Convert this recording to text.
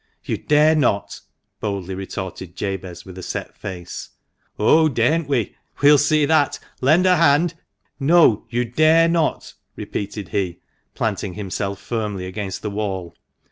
" You dare not !" boldly retorted Jabez, with a set face. "Oh! daren't we? We'll see that! Lend a hand." " No, you dare not !" repeated he, planting himself firmly against the wall.